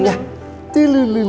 ya udah assalamualaikum